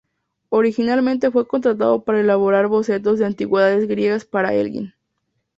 Originalmente fue contratado para elaborar bocetos de antigüedades griegas para Elgin.